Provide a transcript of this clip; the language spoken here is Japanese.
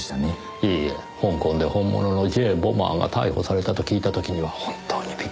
いえいえ香港で本物のＪ・ボマーが逮捕されたと聞いた時には本当にびっくりしました。